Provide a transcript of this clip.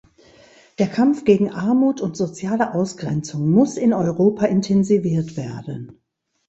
Der Kampf gegen Armut und soziale Ausgrenzung muss in Europa intensiviert werden.